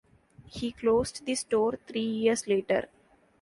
He closed the store three years later.